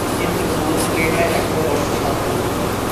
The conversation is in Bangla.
কিন্তু পুরুত্ব নির্ণয় এখনো কষ্টসাধ্য।